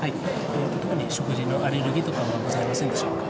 特に食事のアレルギーとかはございませんでしょうか？